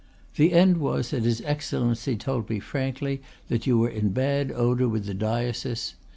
The end was that his Excellency told me frankly you were in bad odor with the diocese.